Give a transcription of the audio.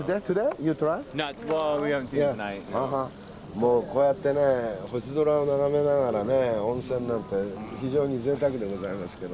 もうこうやってね星空を眺めながら温泉なんて非常にぜいたくでございますけど。